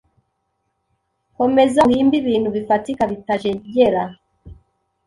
Komeza uhimbe ibintu bifatika bitajegera